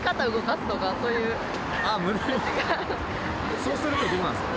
そうするとどうなんですか？